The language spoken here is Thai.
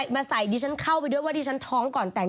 มาใส่ดิฉันเข้าไปด้วยว่าดิฉันท้องก่อนแต่ง